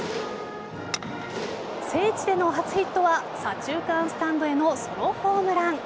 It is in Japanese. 聖地での初ヒットは左中間スタンドへのソロホームラン。